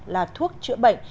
là thuốc chữa bệnh